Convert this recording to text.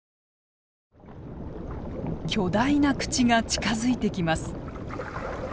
巨大な口が近づいてきます。